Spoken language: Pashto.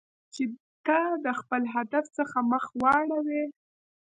چې ته د خپل هدف څخه مخ واړوی.